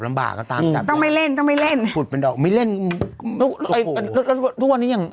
ต้องไม่เล่นต้องไม่เล่นผุดเป็นดอกไม่เล่นโอ้โหแล้วทุกวันนี้ยัง